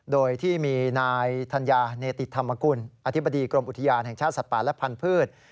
โดยที่มีนายธัญญาเนติธรรมกุลอธิบดีกรมอุทยานแห่งชาติสัตว์ป่าและพันธุ์